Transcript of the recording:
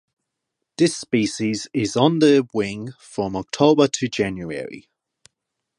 This species is on the wing from October to January.